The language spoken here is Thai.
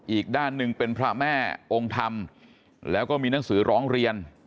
อีกด้านหนึ่งเป็นพระแม่องค์ธรรมแล้วก็มีหนังสือร้องเรียน